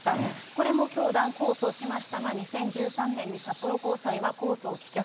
これも教団、控訴しましたが、２０１３年に札幌高裁は控訴を棄却。